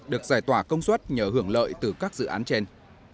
được giải tỏa công suất nhờ hưởng lợi từ các dự án trên